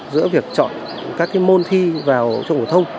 giữa việc chọn các môn thi vào trong phổ thông